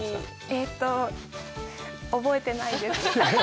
えっと、覚えてないです。